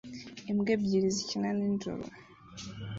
Imbwa ebyiri zikina nijoro